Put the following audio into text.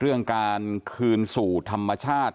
เรื่องการคืนสู่ธรรมชาติ